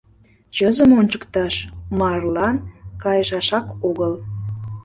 — Чызым ончыкташ — марлан кайышашак огыл.